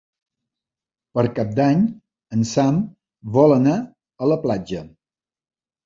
Per Cap d'Any en Sam vol anar a la platja.